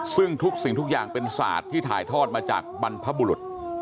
ซึ่งทุกสิ่งทุกอย่างเป็นศาสตร์ที่ถ่ายทอดมาจากบรรพบุรุษ